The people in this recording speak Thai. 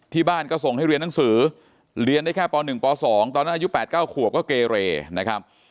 ที่บ้านก็ส่งให้เรียนหนังสือเรียนได้แค่ป๑ป๒ตอนนั้นอายุ๘๙ขวบก็เกเรนะครับ